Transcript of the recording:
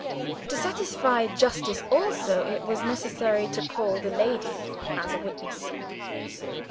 To satisfy justice also, it was necessary to call the lady as a witness.